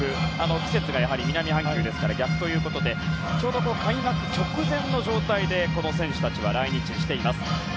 季節が南半球ですから逆ということでちょうど開幕直前の状態で選手たちは来日しています。